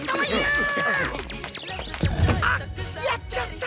あっやっちゃった。